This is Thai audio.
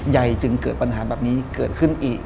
จึงเกิดปัญหาแบบนี้เกิดขึ้นอีก